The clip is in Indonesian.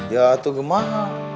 ya itu kemah